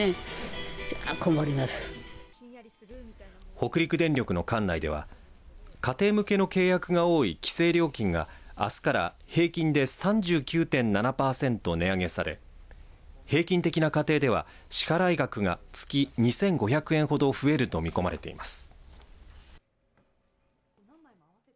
北陸電力の管内では家庭向けの契約が多い規制料金があすから平均で３９．７パーセント値上げされ平均的な家庭では支払い額が月２５００円ほど増えると見込まれています。